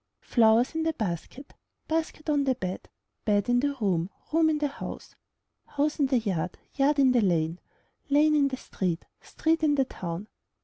Flowers in the basket, Basket on the bed, Bed in the room, Room in the house. House in the yard. Yard in the lane. Lane in the street. Street in the town.